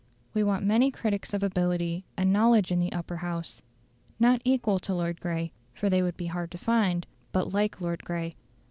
We want many critics of ability and knowledge in the Upper House not equal to Lord Grey, for they would be hard to find but like Lord Grey.